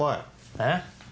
えっ？